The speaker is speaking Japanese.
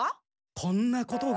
こんなことが。